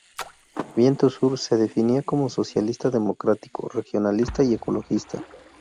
Viento Sur se definía como socialista democrático, regionalista y ecologista.